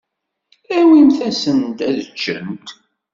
Awimt-asen-d ad ččent.